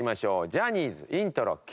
ジャニーズイントロＱ！